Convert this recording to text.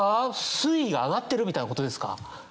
水位が上がってるみたいな事ですか？